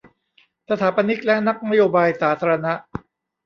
สถาปนิกและนักนโยบายสาธารณะ